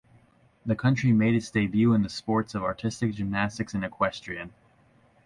The country made its debut in the sports of artistic gymnastics and equestrian.